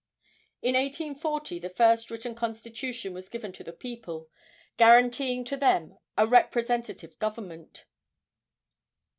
In 1840 the first written constitution was given to the people, guaranteeing to them a representative government.